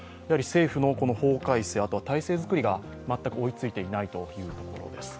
政府の法改正、体制作りが全く追いついていないというところです。